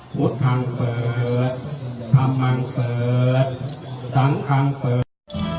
พุทธทางเปิดธรรมันเปิดสังคังเปิด